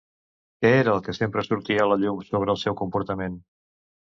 Què era el que sempre sortia a la llum sobre el seu comportament?